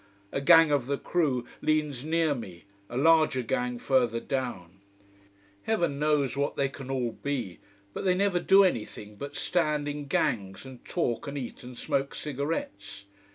A gang of the crew leans near me a larger gang further down. Heaven knows what they can all be but they never do anything but stand in gangs and talk and eat and smoke cigarettes.